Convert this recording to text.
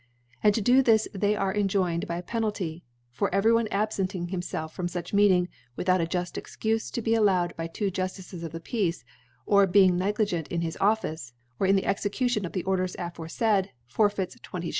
And to do this they are enjoined by a Penalty : For every one abfenting himfclf from fuch D 2 Meeting, ( 52 ) Meeting, without a juft Excufe to be al lowed by two Juftices of the Peace, or be ing negl^ent m his Office, or in the Exe cution or the Orders aforefaid, forfeits 20 J.